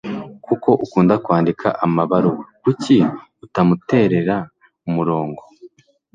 Ko ukunda kwandika amabaruwa, kuki utamuterera umurongo?